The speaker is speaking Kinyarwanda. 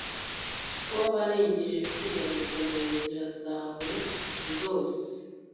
wabarengeje kwiyanduza mu nzira zawe zose